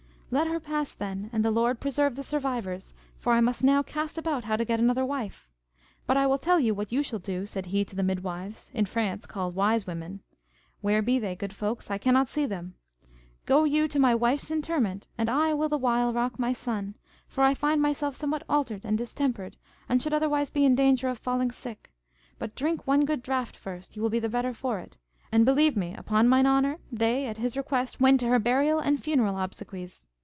Let her pass then, and the Lord preserve the survivors; for I must now cast about how to get another wife. But I will tell you what you shall do, said he to the midwives, in France called wise women (where be they, good folks? I cannot see them): Go you to my wife's interment, and I will the while rock my son; for I find myself somewhat altered and distempered, and should otherwise be in danger of falling sick; but drink one good draught first, you will be the better for it. And believe me, upon mine honour, they at his request went to her burial and funeral obsequies.